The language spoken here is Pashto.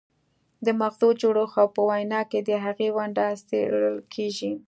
د مغزو جوړښت او په وینا کې د هغې ونډه څیړل کیږي